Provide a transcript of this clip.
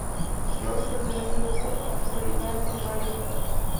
George pertenece al grupo asteroidal de Hungaria.